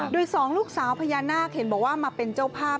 โดยสองลูกสาวพญานาคเห็นบอกว่ามาเป็นเจ้าภาพ